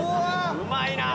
うまいなぁ。